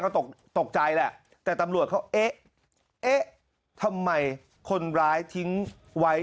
ก็ตกใจแหละแต่ตำรวจเขาเอ๊ะเอ๊ะทำไมคนร้ายทิ้งไว้